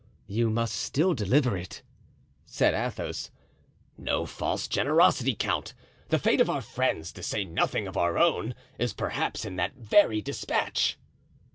"You must still deliver it," said Athos. "No false generosity, count! the fate of our friends, to say nothing of our own, is perhaps in that very despatch."